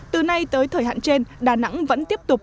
từ nay tới thời hạn trên đà nẵng vẫn tiếp tục